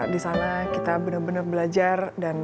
di sana kita benar benar belajar dan